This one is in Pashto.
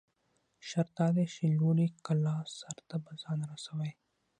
شرط دا دى، چې لوړې کلا سر ته به ځان رسوٸ.